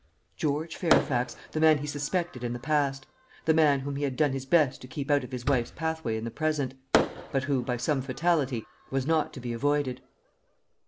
George Fairfax, the man he suspected in the past; the man whom he had done his best to keep out of his wife's pathway in the present, but who, by some fatality, was not be avoided.